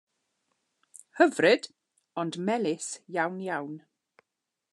Hyfryd ond melys iawn iawn.